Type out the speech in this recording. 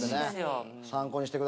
参考にしてください。